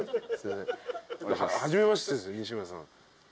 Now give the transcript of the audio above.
初めましてです西村さん。